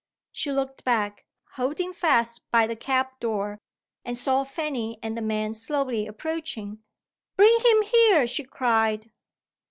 She looked back, holding fast by the cab door, and saw Fanny and the men slowly approaching. "Bring him here!" she cried.